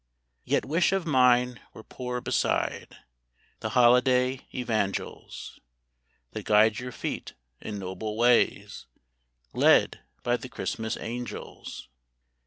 Yet wish of mine were poor beside The holiday Evangels, That guide your feet in noble ways Led by the Christmas angels.